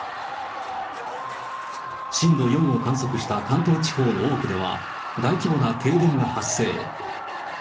震度４を観測した関東地方の多くでは、大規模な停電が発生。